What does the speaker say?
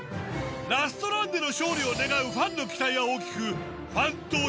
ラストランでの勝利を願うファンの期待は大きく。